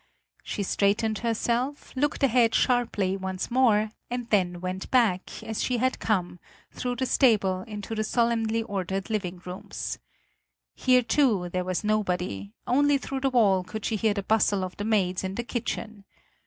She straightened herself, looked ahead sharply once more and then went back, as she had come, through the stable into the solemnly ordered living rooms. Here too there was nobody; only through the wall could she hear the bustle of the maids in the kitchen.